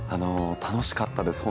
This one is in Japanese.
楽しかったです